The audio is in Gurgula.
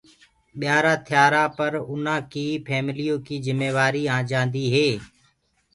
ٻيآرآ ٿيآرآ پر اُنآ ڪي ڦيمليو ڪي جِميوآري آجآندي هي۔